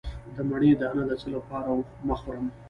د مڼې دانه د څه لپاره مه خورم؟